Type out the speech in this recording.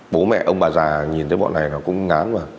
bố mẹ ông bà già nhìn thấy bọn này nó cũng ngán mà